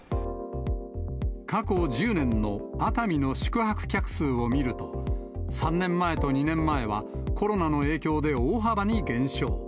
過去１０年の熱海の宿泊客数を見ると、３年前と２年前はコロナの影響で大幅に減少。